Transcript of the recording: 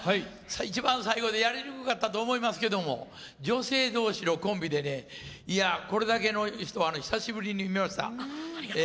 一番最後でやりにくかったと思いますけど女性同士のコンビでこれだけの人は久しぶりに見ました。